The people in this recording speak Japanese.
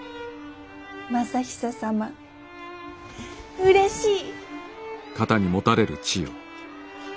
昌久様うれしい！